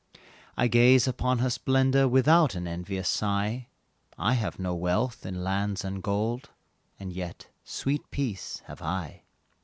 I gaze upon her splendor Without an envious sigh; I have no wealth in lands and gold, And yet sweet peace have I.